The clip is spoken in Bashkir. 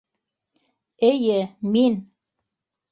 Эйе, мин!